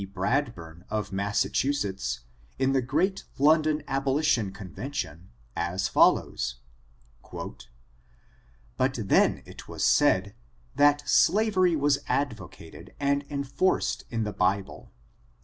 Bradbum, of Massachusetts, in the great London Abolition Conven tion, as follows: ''But then it was said, that slavery wai* advocated and enforced in the Bible.